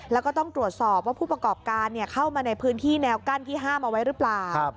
แล้วก็ต้องตรวจสอบว่าผู้ประกอบการเข้ามาในพื้นที่แนวกั้นที่ห้ามเอาไว้หรือเปล่า